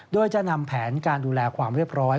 โดยจะนำแผนการดูแลความเรียบร้อย